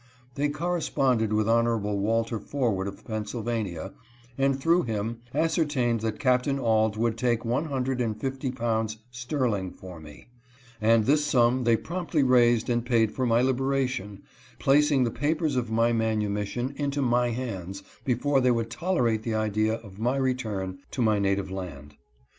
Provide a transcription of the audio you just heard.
HIS MANUMISSION FUND. 315 They corresponded with Hon. Walter Forward of Penn sylvania, and through him ascertained that Captain Auld would take one hundred and fifty pounds sterling for me ; and this sum they promptly raised and paid for my libera tion, placing the papers of my manumission into my hands before they would tolerate the idea of my return to my native land.